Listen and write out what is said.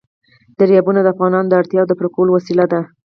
دریابونه د افغانانو د اړتیاوو د پوره کولو وسیله ده.